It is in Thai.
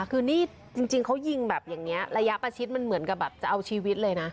คือนี่จริงเขายิงแบบอย่างนี้ระยะประชิดมันเหมือนกับแบบจะเอาชีวิตเลยนะ